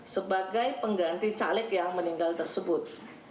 sebagai pengganti caleg yang meninggal tersebut